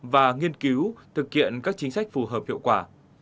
và nghiên cứu thực hiện các chính sách phù hợp hiệu quả